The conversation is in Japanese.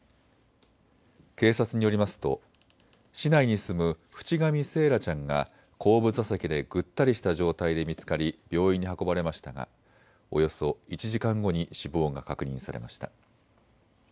警察によりますと市内に住む渕上惺愛ちゃんが後部座席でぐったりした状態で見つかり病院に運ばれましたがおよそ１時間後に死亡が確認されました。